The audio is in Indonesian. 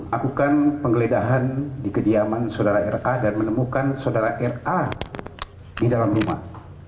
lakukan penggeledahan di kediaman saudara ra dan menemukan saudara ra di dalam rumah